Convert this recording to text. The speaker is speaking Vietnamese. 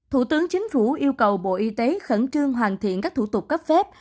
thủ tướng chính phủ yêu cầu bộ y tế khẩn trương hoàn thiện các thủ tục cấp phép